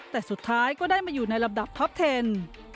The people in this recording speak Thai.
แต่สุดท้ายก็ได้มาอยู่ในลำดับท็อปเทน